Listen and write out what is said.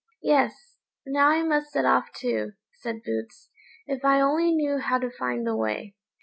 ] "Yes! now I must set off too," said Boots; "if I only knew how to find the way."